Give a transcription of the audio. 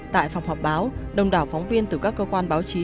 tại phòng họp báo đông đảo phóng viên từ các cơ quan báo chí